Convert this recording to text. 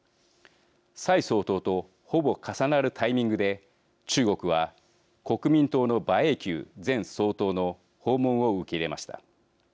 蔡総統とほぼ重なるタイミングで中国は、国民党の馬英九前総統の訪問を受け入れました。